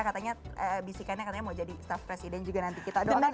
katanya bisikannya katanya mau jadi staff presiden juga nanti kita doang